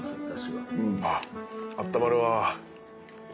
あっ温まるわ。